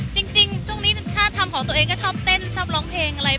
ส่วนใหญ่ถ้าเป็นงานของเรานี่น่าจะออกแนวไหนอ่ะ